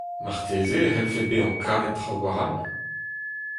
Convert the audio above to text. Marteze e c'hellfe bezañ kavet traoù-all ?